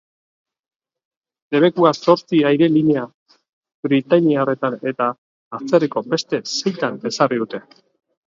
Debekua zortzi aire-linea britainiarretan eta atzerriko beste seitan ezarri dute.